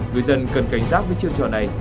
người dân cần cảnh giác với chiêu trò này